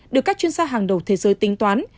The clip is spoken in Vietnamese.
được các chuyên gia hàng đầu thế giới tính toán